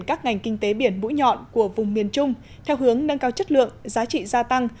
các ngành kinh tế biển mũi nhọn của vùng miền trung theo hướng nâng cao chất lượng giá trị gia tăng